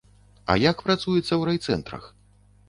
А як працуецца ў райцэнтрах?